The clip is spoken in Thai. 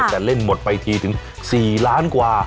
แต่เล่นหมดไปทีถึง๔ล้านกว่า